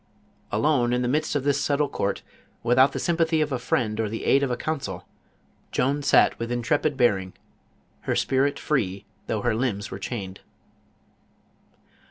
Alone in the midst of this sutJtle court, without the sympathy of a friend or the aid of a counsel, Joan sat with intrepid bearing, her spirit free though her limbs were chained.